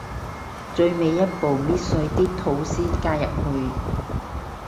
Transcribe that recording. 最尾一步，搣碎啲吐司加入去